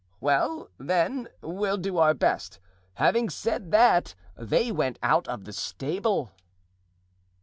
"'Well, then, we'll do our best.' Having said that, they went out of the stable."